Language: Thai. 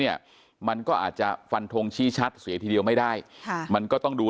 เนี่ยมันก็อาจจะฟันทงชี้ชัดเสียทีเดียวไม่ได้ค่ะมันก็ต้องดู